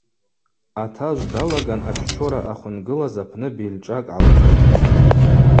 Атажв далаган аччора ъахвынгылаз апны бельшӏакӏ гӏалжытӏ.